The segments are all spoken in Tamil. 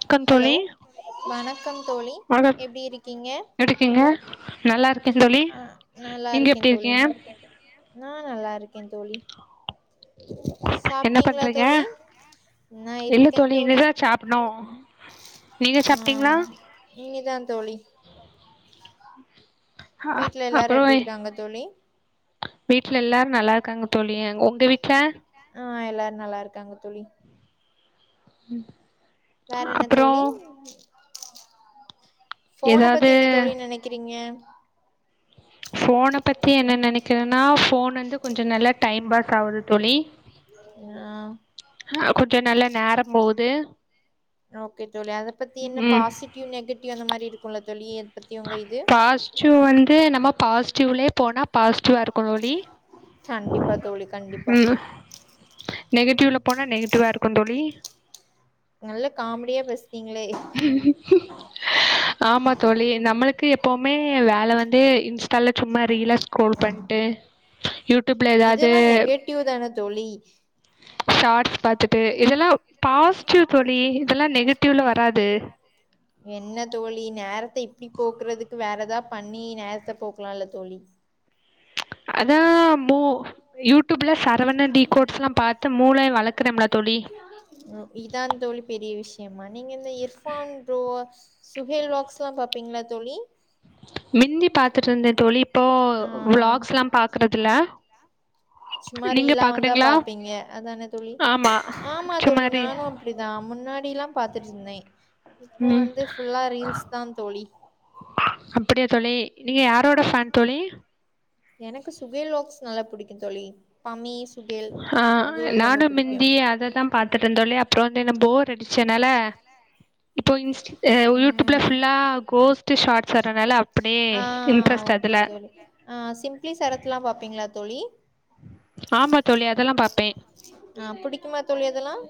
வணக்கம் ஹலோ தோழி வணக்கம் தோழி எப்டி இருக்கீங்க எப்டி இருக்கீங்க நல்லா இருக்கே தோழி நீங்க எப்டி இருக்கீங்க எப் ம் நல்லா இருக்கே தோழி என்ன சாப்ட்டீங்களா பண்றீங்க தோழி நா இல்ல இருக்கே தோழி இனிதா சாப்ப நோ ம் இனிதா தோழி வீட்ல எல்லாரு அப்றோ எப்படி இருக்காங்க தோழி வீட்ல எல்லாரு நல்லா இருக்காங்க தோழி உங்க வீட்ல ஆ எல்லாரு நல்லா இருக்காங்க தோழி ம் வேற என்ன தோழி ஃபோன ஏதாவது பத்தி என்ன தோழி நினைக்கிறீங்க ஃபோன பத்தி என்ன நினைக்கிறேன்னா ஃபோன் வந்து கொஞ்சம் நல்லா டைம் பாஸ் ஆகுது தோழி ஆ அ கொஞ்சம் நல்லா நேரம் போது ஓகே தோழி அதை பத்தி என்ன ம் பாஸ்ட்டிவ் நகடிவ் அந்த மாரி இருக்குமல்ல தோழி பத்தி உங்க இது பாஸ்டிவ் வந்து நம்ம பாஸ்டிவில போனா பாஸ்டிவா இருக்கும் தோழி கண்டிப்பா தோழி கண்டிப்பா நகடிவ்ல போனா நகடிவ்வா இருக்கும் தோழி நல்ல காமெடியா பேசுறீங்களே ஆமா தோழி நம்மளுக்கு எப்பவுமே வேலை வந்து இன்ஸ்டால சும்மா ரீலா ஸ்ரோல் பண்ட்டு யூ இதெல்லாம் நேகட்டிவ் தானே தோழி ஷார்ட்ஸ் பாத்துட்டு இதெல்லாம் பாஸ்ட்டிவ் தோழி இதெல்லாம் நேகட்டிவ்ல வராது என்ன தோழி நேரத்த இப்படி போக்குறதுக்கு வேற ஏதாவது பண்ணி நேரத்த போக்கலாம்ல்ல தோழி அதா மூ யூடியூப்ல சரவணன் டீ கோட்ஸ்லா பாத்து மூளை வளக்குறம்ல தோழி இதான் தோழி பெரிய விஷயம் நீங்க இந்த இர்பான் போ சுஹேல் வாக்ஸ்தா பாப்பீங்களா தோழி மிந்தி பாத்திட்டிருந்தேன் தோழி இப்போ ஆ பிளாக்ஸ் எல்லாம் பாக்கறதில்ல சும்மா ரீலா வந்தா பாப்பீங்க அதான தோழி ஆமா ஆமா சும்மா தோழி ரீ நானும் அப் அப்படிதான் முன்னாடியல்லாம் பாத்துட்டு இருந்தேன் இப்போ ம் வந்து ஃபுல்லா ரீல்ஸ் தான் தோழி அப்படியா தோழி நீங்க யாரோட ஃபேன் எனக்கு சுஹேலோக்ஸ் நல்லா புடிக்கு தோழி பமி சுகேல் அதுவும் ரொம்ப புடிக்கும் அதத்தாம் பாத்துட்டேன் தோழி அப்புறம் வந்து என்ன போர் அடிச்சதனால இப்போ இன்ஸ்ட் யூடியூப்ல ம் ஃபுல்லா கோஸ்ட்டு ஷார்ட்ஸ் வர்றதுனால அப்படியே ஆ இன்ட்ரெஸ்ட் ஓகே அதுல தோழி ஆ சிம்ப்ளி சரத்தெலாம் பாப்பீங்களா தோழி ஆமா தோழி அதெல்லாம் பாப்பே ஆ புடிக்குமா தோழி அதெல்லாம்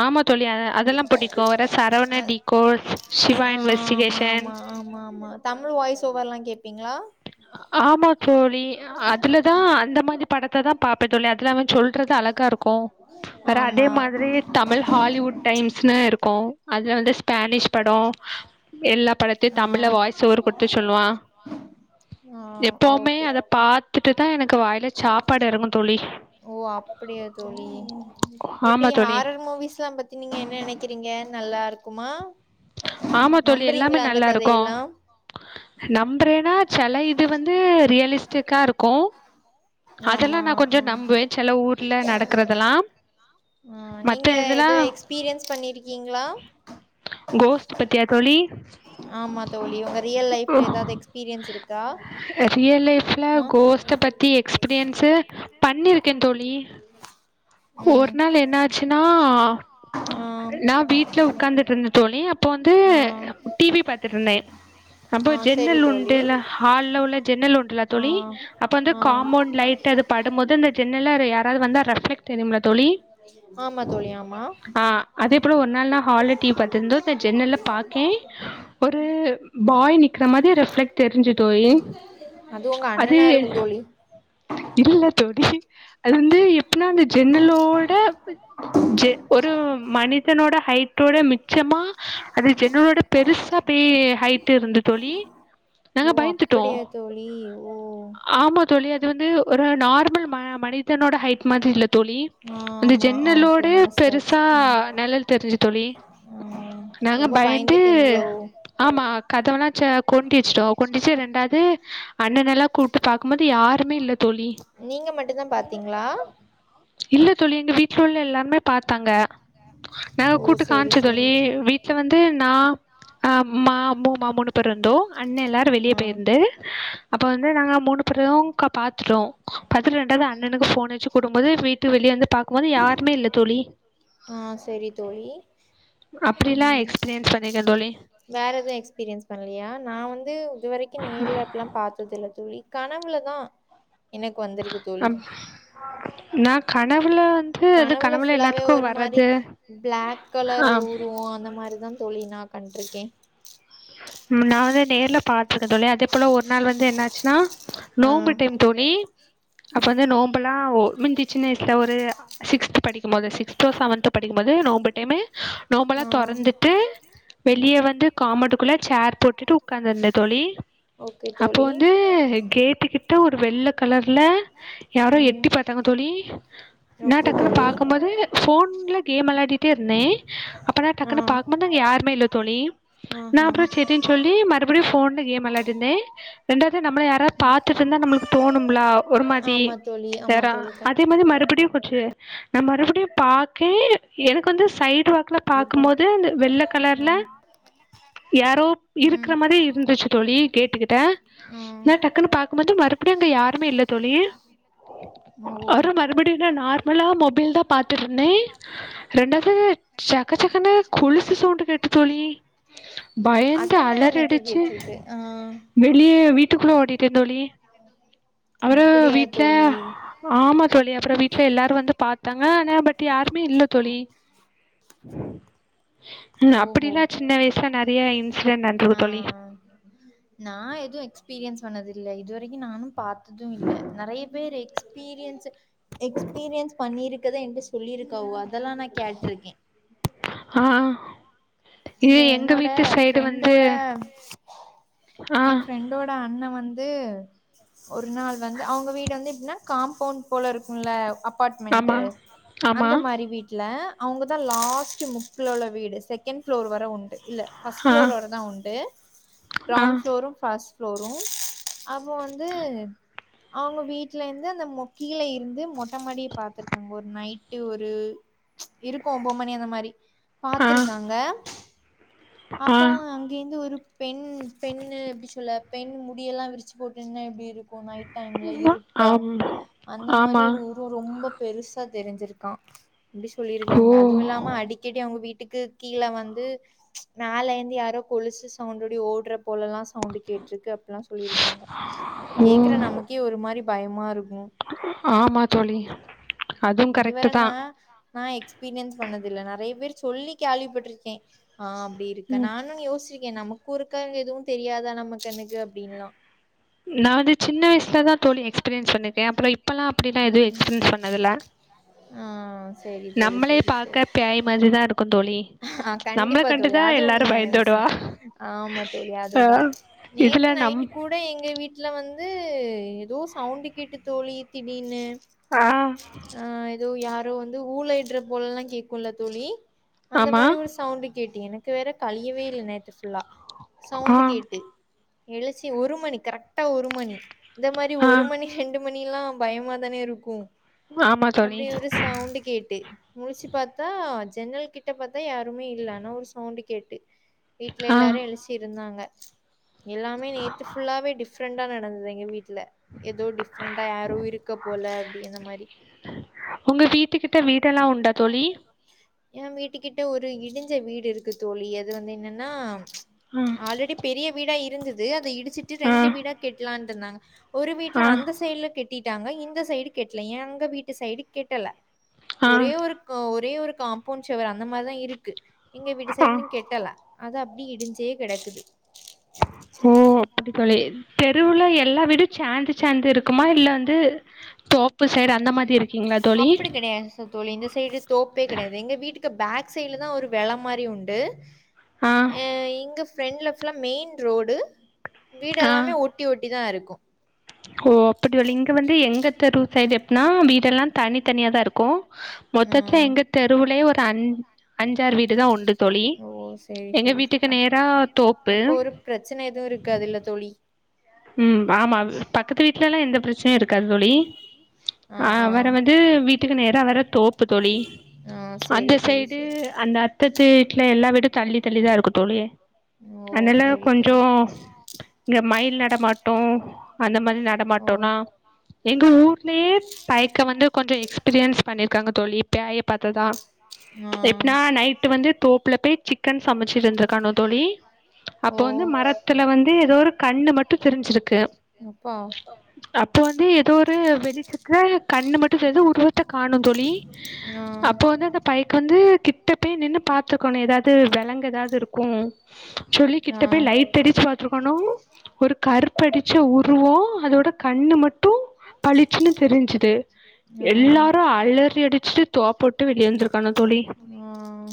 ஆமா தோழி அ அதெல்லாம் புடிக்கும் ஒர சரவண அ டிக்கோர்ஸ் ஸ் சிவா ஆமா இன்வெஸ்டிகேஷன் ஆமா ஆமா ஆமா தங்க வாய்ஸ் ஓவரெல்லாம் கேப்பீங்களா ஆமா தோழி எ அதுல தான் அந்த மாதிரி படத்த தான் பாப்பேன் தோழி அதுல்ல அவன் சொல்றது அழகா இருக்கு அப்புற அதே ஆமா மாதிரி தமிழ் ஹாலிவுட் டைம்ஸ்னுு இருக்கும் அதுல வந்து ஸ்பெனிஷ் படோ எல்லா படத்தையும் தமிழ்ல வாய்ஸ் ஓவர் குடுத்துச் சொல்லுவான் வாய்ஸ் [unintelligible] எப்பவுமே அத பாத்துட்டு தா எனக்கு வாய்லச் சாப்பாடு எறங்கும் தோழி ஓ அப்படியா தோழி எப்புடி ஆமா தோழி ஹாரர் மூவிஸெல்லாம் பத் நீங்க என்ன நினைக்குறிங்க நல்லா இருக்குமா ஆமா தோழி எல்லாமே நம்புறீங்களா அந்த நல்லா இருக்கும் கதையெல்லா நம்புறேன்னா சில இது வந்து ரியலிஸ்டிக்கா இருக்கு அதெல்லா ஆமா நா ஆ கொஞ்ச நம்புவேன் சில ஊர்ல நடக்கறதெல்லாம் ஆ நீங்க மத்த எதோ இதெல்லாம் எக்ஸ்பீரியன்ஸ் பண்ணிருக்கீங்களா கோஸ்து பத்தியா தோழி ஆமா தோழி உங்க ரியல் லைஃப்ல ஏதாவது எக்ஸ்பீரியன்ஸ் இருக்கா ரியல் லைஃப்ல ஆ கோஸ்ட்ட பத்தி எக்ஸ்பீரியன்சு பண்ணிருக்கேன் தோழி ம் ஒரு நாள் என்ன ஆச்சுன்னா ஆ நா வீட்ல உக்காந்துட்டு இருந்த தோழி அப்போ வந்து ஆ டி வி பாத்துட்டு இருந்தே அப்ப ஆ செரி ஜென்னல் தோழி உண்டுல்ல ஹால்ல உள்ள ஜென்னல் ஒன்றுல ஆ தோழி அப்ப வந்து ஆ காமௌண்ட் லைட் அது படும்போது அந்த ஜென்னல்ல யாராது வந்தா ரெஃப்ளக்ட் தெரியும்ல தோழி ஆமா தோழி ஆமா ஆ அதே போல ஒரு நாள் நா ஹால்ல டி வி பாத்திருந்தே ஒருத்த ஜென்னல்ல பாக்கே ஒரு பாய் நிக்கிற மாரி ரெஃப்ளக்ட் தெரிஞ்சு தோழி அது உங்க அண்ணனா இருக்குந் தோழி இல்ல தோடி அது வந்து எப்புனா அந்த ஜன்னலோட ஜ ஒரு மனிதனோட ஹைட்டோட மிக் நிஜமா அது ஜன்னலோட பெருசா பேய் ஹைட்டு இருந்து தோழி ஓ நாங்க பயந்துட்டோ அப்படியா தோழி ஓ ஆமா தோழி அது வந்து ஒரு நார்மல் ம மனிதனோட ஹைட் மாதிரி இல்ல தோழி ஆ அந்த ஆமா. ஆ ஓகே ஜன்னலோட மனசிலாச்சு. பெருசா ம். நெழல் தெரிஞ்சு தோழி ஆ நாங்க ரொம்ப பயந்து பயந்துட்டீங்களோ? ஆமா கதவெல்லா ச கொண்டி வெச்சுட்டோ கொண்டிச்சு ரெண்டாது அண்ணனெல்லா கூப்ட்டு பாக்கும்போது யாருமே இல்ல தோழி நீங்க மட்டுந்தா பாத்திங்ளா இல்ல தோழி எங்க வீட்ல உள்ள எல்லாமே பாத்தாங்க நா ஓ! கூட்டு சரி, காம்ச்ச தோழி சரி. வீ ட்ல வந்து நா அம்மா மூமா மூணு பேர் இருந்தோ அண்ண எல்லாரு வெளிய ஆ, போயிருந்து அப்ப வந்து நாங்க மூணு பேரு க பாத்துட்டோ பாத்துட்டு ரெண்டாது அண்ணனுக்கு ஃபோன் அடிச்சி கூப்டும்போது வீட்டு வெளிய வந்து பாக்கும்போது யாருமே இல்ல தோழி ஆ சரி தோழி. அப்படில்லா ம் எக்ஸ்பீரியன்ஸ் பண்ணிருக்கே தோழி வேற எதுவு எக்ஸ்பீரியன்ஸ் பண்லியா நா வந்து இதுவரைக்கு நேர்ல அப்டிலா பாத்தது இல்ல தோழி கனவுலதா அ நா கனவுல அது கனவுல ஃபுல்லாவே எல்லாத்துக்கு ஒரு மாரி வர்றது பிளாக் ஆ கலர் உருவ அந்த மாரிதான் தோழி நா கண்டிருக்கே நா வந்து நேர்ல பாத்திருக்க தோழி அதே போல ஒரு நாள் வந்து என்னாச்சுன்னா ஆ. நோம்பு டைம் தோழி அப்ப வந்து நோம்பெல்லா ஒ முஞ்சிச்சின் வெச்ட ஒரு சிக்ஸ்த் படிக்கும் போது சிக்ஸ்த்தோ செவன்த்தோ படிக்கும் போது நோம்பு டைமு நோம்பலா ஆ தொறந்துட்டு வெளிய வந்து காமௌன்டு க்குள்ள சேர் போட்டுட்டு உக்காந்துருந்த தோழி ஓகே அப்ப தோழி வந்து கேட்டுகிட்ட ஒரு வெள்ள கலர்ல யாரோ ம் எட்டி பாத்தாங்க தோழி நா ஓகே டக்குனு தோழி பாக்கும் போது ஃபோன்ல கேம் வெளையாடிட்டே இருந்தே அப்ப நா ஆ டக்குனு பாக் குமோது அங்க யாருமே இல்ல தோழி நா ஆஹா அப்பற செரின் சொல்லி மறுபடியு ஃபோன்ல கேம் வெளையாடிருந்தே ரெண்டாவது நம்மள யாராவது பாத்துட்ருந்தா நம்மளுக்கு தோணும்லா ஒரு மாரி ஆமா தோழி ஆமா வேறா தோழி அதே மாரி மறுபடியும் கொச்சு நா மறுபடியு பாக்கே எனக்கு வந்து சைடு் வாக்குல கண்டிப்பா பாக்கும்போது வெள்ள ஆ கலர்ல யாரோ இருக்கற ம் மாரி இருந்துச்சு தோழி கேட்டு கிட்ட ம் நா டக்குன்னு பாக் கும்போது மறுபடியு அங்க யாருமே இல்ல தோழி ஓ அப்பற மறுபடியு நா நார்மலா மொபைல்தா பாத்துட்ருந்தே ரெண்டாவது ஜக ஜகனு கொலுசு சவுண்டு கேட்டு தோழி உம் பயந்து அதெல்லா அலறி எனக்கு அடிச்சு கேட்டுருக்கு ஆ வெளியே வீட்டுக்குள்ள ஓடிட்டே தோழி அப்படியா தோழி ஆமா தோழி அப்பறோ வீட்ல எல்லாரு வந்து பாத்தாங்க ஆனா பட் யாருமே இல்ல தோழி உம் ஓஹோ அப்படிலா சின்ன வயசுல நெறைய இன்சிடென்ட் ஆ நடந்திருக்கு தோழி நா எதுவும் எக்ஸ்பீரியன்ஸ் பண்ணது இல்ல இதுவரைக்கு நானு பாத் தும் இல்ல நெறைய பேர் எக்ஸ்பீரியன்ஸ் எக்ஸ்பீரியன்ஸ் பண்ணியிருக்கதை என்கிட்ட சொல்லியிருக்காவோ அதெல்லாம நா கேட்டிருக்கே ஆ இங்க இது எங்க என்னோட வீட்டு சைடு வந்து ஃப்ரெண்டோட ஆ என் ஃப்ரெண்ட் டோட அண்ண வந்து ஒரு நாள் வந்து அவங்க வீடு வந்து எப்டின்னா காம்பவுண்ட் போல இருக்குல அப் பார்ட்மெண்ட் ஆமா ஆமா அந்த மாதிரி வீட்ல அவங்கதான் லாஸ்ட் முக்குல உள்ள வீடு செ கண்ட் ஃப்ளோர் வர உண்டு இல்ல ஃபர்ஸ்ட் ஆ ஃப்ளோர் வர தா உண்டு ஆ கிரௌண்ட் ஃப்ளோரு ஃபர்ஸ் ஃப்ளோரு அவ வந்து அவங்க வீட்ல இருந்து அந்த மொக்கிழ இருந்து மொ ட்டமாடி பாத்துருக்கங்க ஒரு நைட்டு ஒரு இருக்கு ஒம்போ மணி அந்த மாரி ஆ பாத்துரு காங்க ஆ அப்போ அங்க இருந்து ஒரு பெண் பெண்ணு எப்டி சொல்ல பெண் முடியெல்லா விரிச்சு போட்டு இருந்தா எப்படி இருக்கும் நைட் டைம்ல இருட்டா ஆம் அந்த மாரி ஆமா ஒரு உருவோ ரொம்ப பெருசா தெரிஞ்சிருக்கா அப்டி ஓ சொல்லியிருக்காங்க அதுவும் இல்லாம அடிக்கடி அவங்க வீட்டுக்கு கீழ வந்து மேலந்து யாரோ கொலுசு சவுண்டோடி ஓட்ற போலல்லா சவுண்டு கேட்டுருக்கு அப்படிலா சொல்லியிருக்காங்க ஓ கேக்குற நமக் கே ஒரு மாரி பயமா இருக்கு ஆமா தோழி அதுவும் கரெக்ட் இதுவரன்னா தான் இ நா எக்ஸ்பீரியன்ஸ் பண்ணதில்ல நெறைய பேர் சொல்லி கேள்விப்பட்டிருக்கே ஆ அப்டி ற்க ம் நானு யோசிச்சிருக்கே நமக்கு இருக்காங்க எதுவும் தெரியாதா நமக்கு கண்ணுக்கு அப்படின்னுலா நா வந்து சின்ன வயசுல தான தோழி எக்ஸ்பீரியன்ஸ் பண்ணக்கே அப்பறோ இப் பல்லா அப்டிலா எது ம் எஸ்பீரியன்ஸ் பண்ணதில்ல ஆ சேரி தோழி நம்மளே சேரி பாக்க சேரி பேய் மாதிரிதா இருக்கோ தோழி ஆ நம்மள கண்டிப்பா தோழி கண்டுதான் அது எல்லாரும் உண்மையான விஷ்ய பயந்தோடுவா ஆமா தோழி ஆ அதுதா இதுல நேத்து நம் நைட்டு கூட் ட எங்க வீட்ல வந்து எதோ சவுண்டு கேட்டு தோழி திடீர்னு பா பா ஆ எதோ யாரோ வந்து ஊள இட்ற போலல்லா கேக்குல தோழி அந்த ஆமா மாரி ஒரு சவுண்டு கேட்டு எனக்கு வேற கழியவே இல்ல நேத்து ஃபுல்லா ஆ சவுண்டு கேட்டு எழுச்சி ஒரு மணி கரெக்டா ஒரு மணி இந்த மாரி ஆ ஒரு மணி ரெண்டு மணிலா பயமா தானே இருக்கு ஆமா தோழி அப்படி ஒரு சவுண்டு கேட்டு முழிச்சு பாத்தா ஜன்னல் கிட்ட ட்ட பாத்தா யாருமே இல்ல ஆனா ஒரு சவுண்டு கேட்டு வீட்ல ஆ எல்லாரும் எழுச்சி இருந்தாங்க எல்லாமே நேத்து ஃபுல்லாவே டிஃப்ரெண்டா நடந்துது எங்க வீட்ல எதோ டிஃப்ரெண்டா யாரோ இருக்க போல அப்டி இந்த மாரி உங்க வீட்டுக்கிட்ட வீடெல்லா உண்டா தோழி எ வீட்டுக்கிட்ட ஒரு இடிஞ்ச வீடு இருக்கு தோழி அது வந்து என்னன்னா அ ஆல்ரெடி பெரிய வீடா இருந்தது அத இடிச்சிட்டு ஆ ரெண்டு வீடா கெட்டலான் இருந்தாங்க ஒரு வீட்ல ஆ அந்த சைட்ல கெட்டிட்டாங்க இந்த சைடு கெட்டல எங்க வீட்டு சைடு கெட்டல ஆ ஒரே ஒரு ஒரே ஒரு காம்பவுண்ட் ஷவர் அந்த மாரிதா இருக்கு எங்க வீட்டு ஆ சைடுன்னு கெட்டல அது அப்டி இடிஞ்சே கெடக்குது ஓ அப்டி [unintelligible] தெருவுல எல்லா வீடு சேந்து சேந்து இருக்குமா இல்ல வந்து தோப்பு சைடு அந்த மாரி இருக்கிங்ளா தோழி இல்ல தோழி இந்த சைடு தோப்பே கெடையாது எங்க வீட்டுக்கு பேக் சைடுல தா ஒரு வெல மாரி உண்டு ஆ அ இங்க ஃப்ரெண்ட்ல ஃபுல்லா மெயின் ரோடு வீடு ஆ எல்லாமே ஒட் ஒட்டி ஒட்டி தா இருக்கு ஓ அப்டி [unintelligible] இங்க வந்து எங்க தெரு சைடு எப்னா வீடெல்லா தனி தனியாதா இருக்கு ஆ மொத்தத்லே எங்க தெருவுலே ஒரு அஞ் அஞ்சாறு வீடு தா உண்டு தோழி ஓ சேரி எங்க தோழி சரி வீட்டுக்கு அப் நேரா தோப்பு அப்போ ஒரு பிரச்சன எது இருக்காதுல தோழி ம் ஆமா பக்கத்து வீட்லலா எந்த பிரச்சனையு இருக்காது தோழி ஆ வேற வந்து வீட்டுக்கு நேரா வர தோப்பு தோழி ஆ சேரி அந்த தோழி சைடு சேரி அந்த பக்கத்து வீட்ல எல்லா வீடு தள்ளி தள்ளிதா இருக்கு தோழி ஓ அதனால சேரி கொஞ்சோ தோழி இங்க மயில் நடமாட்டோ அந்த மாரி ஓ நடமாட்டோனா எங்க ஊர்லயே பயக்க வந்து கொஞ்சோ எக்ஸ்பீரியன்ஸ் பண்ணிருக்காங்க தோழி பேய பாத்ததா உஹம் எப்புனா நைட்டு வந்து தோப்புல போய் சிக்கன் சமைச்சிட்டு இருந்துருக்கானோ தோழி அப்ப ஓ வந்து மரத்துல வந்து எதோ ஒரு கண்ணு மட் டு தெரிஞ்சுருக்கு அப்பா அப்ப வந்து எதோ ஒரு வெளிச்சத்துல கண்ணு மட்டு [unintelligible] உருவத்த காணு தோழி ஆ அப்ப வந்து அந்த பயக்கு வந்து கிட்ட பேய் நின்னு பாத்துக்காணு எதாது வெலங்கு எதாது இருக்கு சொல்லி கிட்ட ஆ பேய் லைட் அடிச்சு பாத்துருக்காணோ ஒரு கருப்படிச்ச உருவோ அதோட கண்ணு மட்டு பளிச்சுன்னு தெரிஞ்சிது ஆ தோப்போட்டு வெளிய வந்திருக்கானோ தோழி ஆ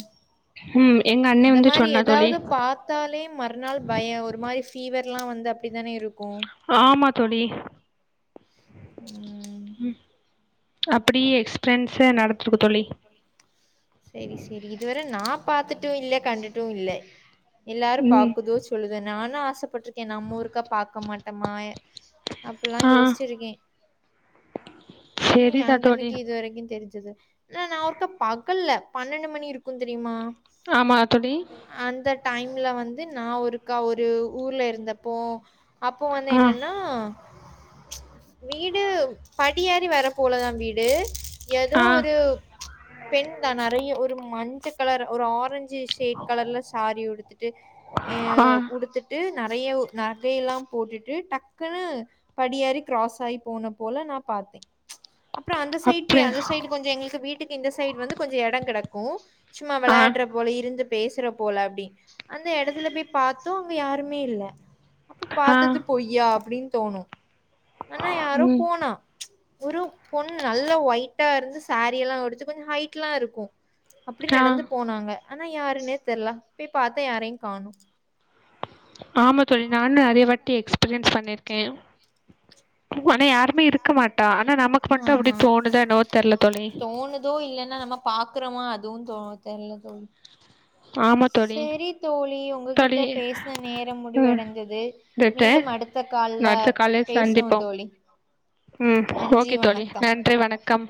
ம் எங்க அண்ணே இந்த வந்து மாரி சொன்னா தோழி எதாவது பாத்தாலே மறுநாள் பயோ ஒரு மாரி ஃபிவர்லா வந்து அப்டி தானே இருக்கு ஆமா தோழி ம் ம் அப்டியே எக்ஸ்பிரன்ஸ நடத்துருக்கு தோழி சேரி சேரி இதுவர நா பாத்துட்டு இல்ல கண்டுட்டு இல்ல எல்லாரு ம் பாக்குது சொல்லுத நானு ஆசைப்பட்ருக்கே நம்ம ஒருக்க பாக்க மாட்டமா அப்புல்லா ஆ யோசிச்சிருக்கே ஆனா செரிதா ஏன் தோழி இது வரைக்கு தெரிஞ்சிது ஆனா நா ஒருக்க பகல்ல பன்னெண்டு மணி இருக்கு தெரிமா ஆமா தோழி அந்த டைம்ல வந்து நா ஒருக்கா ஒரு ஊர்ல இருந்தப்போ அப்போ வந்து ஆ என்னன்னா வீடு படியேரி வர போலதான் வீடு டு ஏதோ ஆ ஒரு பெண்தா நறைய ஒரு மஞ்ச கலர் ஒரு ஆரஞ்சுஸ் சேட் கலர்ல சாரி உடுத்துட்டு எ ஆ உடுத்து ட்டு நறைய ஒ நகையெல்லா போட்டுட்டு டக்குன்னு படியேரி கிராஸ் ஆயி போன போல நா பாத்தேன் அப்புறம் அந்த சைட் போய் அப்டி அந்த சைடு கொஞ்ச எங்களுக்கு வீட்டுக்கு இந்த சைடு் வந்து கொஞ்ச இடங் கெடைக்கு சும்மா ஆ விளையாட்ற போல இருந்து பேசுற போல அப்டின் அந்த எடத்துல போய் பாத்து அங்க யாருமே இல்ல அப்ப ஆ பாத்தது பொய்யா அப்டின் தோணு ஆனா யாரோ ம் போனா ஒரு பொண்ணு நல்லா ஒயிட்டா இருந்து சாரி எல்லா உடுத்து கொஞ்சோ ஹைட்லா இருக்கு அப்டி ஆ நடந்து போனாங்க ஆனா யாருன்னே தெர்ல பேய் பாத்தே யாரையு காணு ஆமா தோழி நானு நறைய வாட்டி எக்ஸ்பீரியன்ஸ் பண்ணிருக்கே ஆனா யாருமே இருக்க மாட்டா ஆனா நமக்கு [inaudible] மட்டு அப்டி ஆமா தோணுதா என்னவோ தெர்ல தோழி தோணுது எது இல்லன்னா நம்ம பாக்றோமா அதுவு தோ தெர்ல தோழி ட் ட்.. செரி தோழி உங்ககிட்ட தோழி பேசின நேரம் ம் முடிவடைஞ்சது அடுத்த மீண்டும் அடுத்த கால்ல அடுத்த காலில் பேசுவோ சந்திப்போம் தோழி ம் நன்றி ஓகே தோழி வணக்கம் நன்றி வணக்கம்